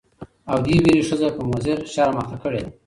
او دې ويرې ښځه په مضر شرم اخته کړې ده.